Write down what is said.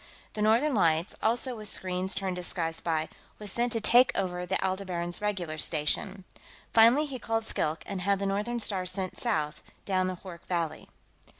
The Northern Lights, also with screens tuned to the Sky Spy, was sent to take over the Aldebaran's regular station. Finally, he called Skilk and had the Northern Star sent south down the Hoork Valley.